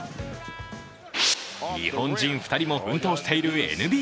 日本人２人も奮闘しているＮＢＡ。